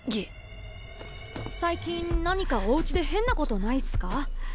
最近何かおうちで変なことないっすか？